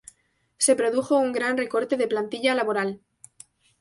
Se produjo un gran recorte de plantilla laboral.